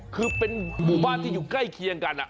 คือเป็นหมู่บ้านที่อยู่ใกล้เคียงกัน